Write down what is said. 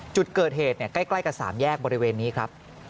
จุดเกิดเหตุใกล้กับ๓แยกบริเวณนี้ครับ